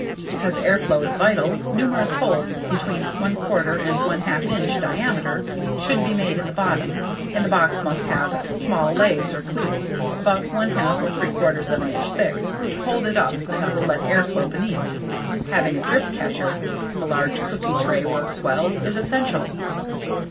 Because air flow is vital, numerous holes between 1/4 and 1/2 inch in diameter should be made in the bottom and the box must then have small legs or cleats about 1/2 to 3/4 of an inch thick to hold it up enough to let air flow beneath. Having a drip catcher a large cookie tray works well is essential.